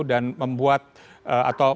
dan membuat atau